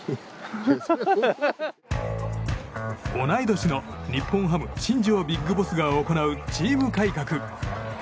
同い年の日本ハム新庄ビッグボスが行うチーム改革。